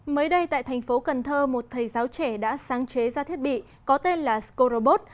mới đây tại thành phố cần thơ một thầy giáo trẻ đã sáng chế ra thiết bị có tên là scorobot